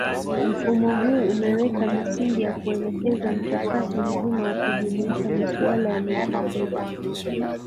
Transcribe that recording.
Mfumo huu umeweka misingi ya kuelekeza mchakato mzima wa kujumuisha masuala ya mazingira